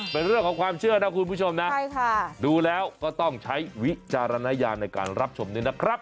เป็นเรื่องของความเชื่อนะคุณผู้ชมนะดูแล้วก็ต้องใช้วิจารณญาณในการรับชมด้วยนะครับ